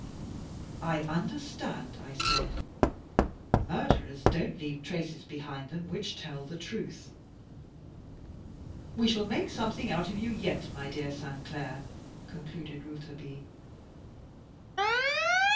"I understand," I said; "murderers don't leave traces behind them which tell the truth." "We shall make something out of you yet, my dear Saindair," concluded Rouletabille.